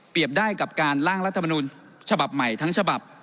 ได้กับการล่างรัฐมนุนฉบับใหม่ทั้งฉบับ